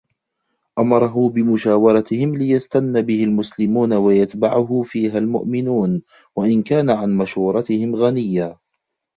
أَمَرَهُ بِمُشَاوَرَتِهِمْ لِيَسْتَنَّ بِهِ الْمُسْلِمُونَ وَيَتْبَعَهُ فِيهَا الْمُؤْمِنُونَ وَإِنْ كَانَ عَنْ مَشُورَتِهِمْ غَنِيًّا